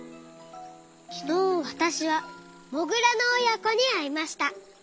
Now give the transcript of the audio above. きのうわたしはモグラのおやこにあいました。